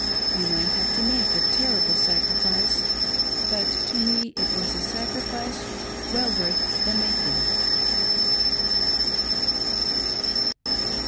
We might have to make a ter rible sacrifice, but to nie it was a sacrifice well worth the making.